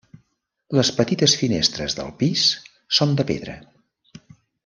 Les petites finestres del pis són de pedra.